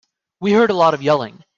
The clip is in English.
We heard a lot of yelling.